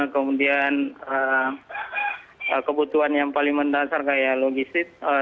kemudian kebutuhan yang paling mendasar kayak logistik